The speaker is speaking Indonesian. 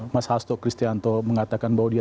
mas hasto kristianto mengatakan bahwa dia